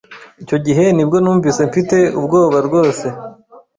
Icyo gihe ni bwo numvise mfite ubwoba rwose.